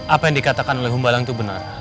apa yang dikatakan oleh humbalang itu benar